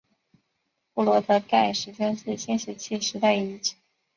布罗德盖石圈是新石器时代遗迹。